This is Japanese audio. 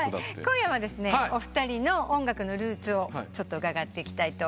今夜はですねお二人の音楽のルーツを伺っていきたいと思います。